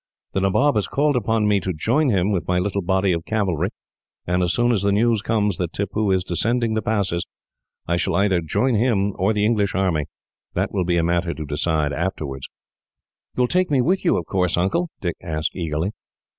"The Nabob has called upon me to join him with my little body of cavalry, and as soon as the news comes that Tippoo is descending the passes, I shall either join him or the English army. That will be a matter to decide afterwards." "You will take me with you, of course, Uncle?" Dick asked eagerly.